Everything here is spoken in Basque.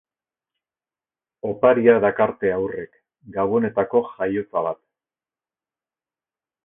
Oparia dakarte haurrek, Gabonetako jaiotza bat.